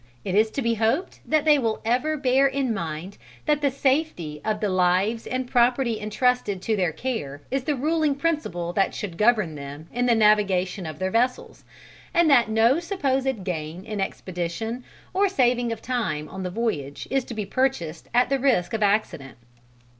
It is to be hoped that they will ever bear in mind that the safety of the lives and property entrusted to their care is the ruling principle that should govern them in the navigation of their vessels, and that no supposed gain in expedition or saving of time on the voyage is to be purchased at the risk of accident.